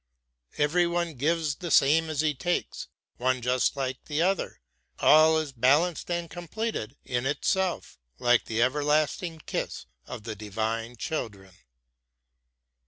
Every one gives the same as he takes, one just like the other, all is balanced and completed in itself, like the everlasting kiss of the divine children.